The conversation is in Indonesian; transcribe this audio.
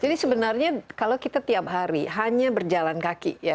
jadi sebenarnya kalau kita tiap hari hanya berjalan kaki ya